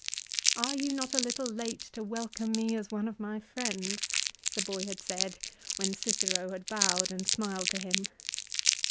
Are you not a little late to welcome me as one of my friends, the boy had said when Cicero had bowed and smiled to him